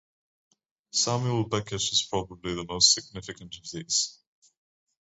Samuel Beckett is probably the most significant of these.